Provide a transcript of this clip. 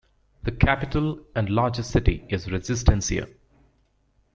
The capital, and largest city, is Resistencia.